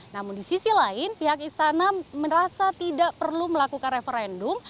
namun di sisi lain pihak istana merasa tidak perlu melakukan referendum